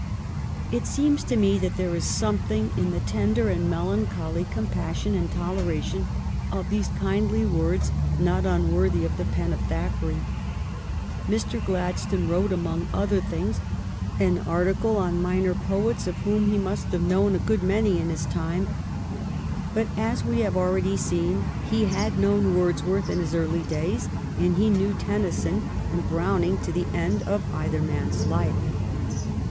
It seems to me that there is something in the tender and melancholy compassion and toleration of these kindly words not unworthy of the pen of Thackeray. Mr. Gladstone wrote, among other things, an article on minor poets, of whom he must have known a good many in his time ; but, as we have already seen, he had known Words worth in his early days, and he knew Tennyson and Browning to the end of either mans life.